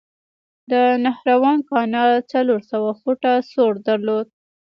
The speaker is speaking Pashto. د نهروان کانال څلور سوه فوټه سور درلود.